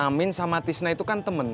amin sama tisna itu kan